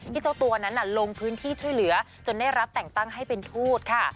เจ้าตัวนั้นลงพื้นที่ช่วยเหลือจนได้รับแต่งตั้งให้เป็นทูตค่ะ